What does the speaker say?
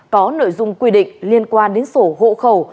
có nội dung quy định liên quan đến sổ hộ khẩu